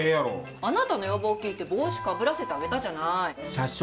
あなたの要望聞いて帽子かぶらせてあげたじゃない。